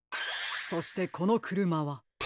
そしてこのくるまは。